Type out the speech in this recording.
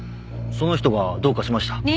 その人がどうかしました？